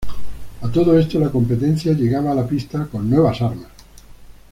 A todo esto, la competencia llegaba a la pista con nuevas armas.